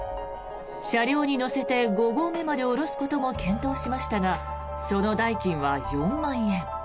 車両に乗せて５合目まで下ろすことも検討しましたがその代金は４万円。